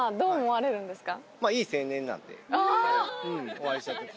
お会いした時。